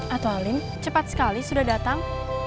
atau halim cepat sekali sudah datang